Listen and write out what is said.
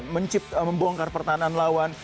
membongkar pertahanan lawan